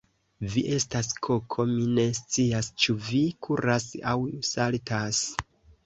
Vi estas koko mi ne scias, ĉu vi kuras aŭ saltas